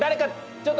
ちょっと！